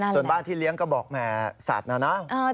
ส่วนบ้านที่เลี้ยงก็บอกแหมสัตว์นะนะ